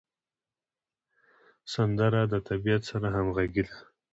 سندره د طبیعت سره همغږې ده